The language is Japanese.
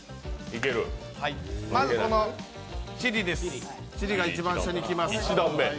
まず、チリが一番下にきます。